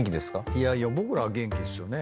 いやいや僕らは元気っすよね。